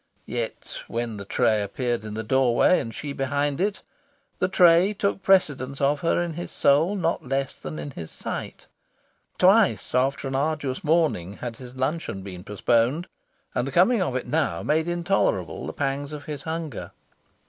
Yet, when the tray appeared in the doorway, and she behind it, the tray took precedence of her in his soul not less than in his sight. Twice, after an arduous morning, had his luncheon been postponed, and the coming of it now made intolerable the pangs of his hunger.